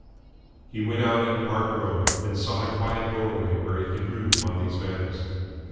He went out into Park Row, and sought a quiet doorway where he could brood upon these matters.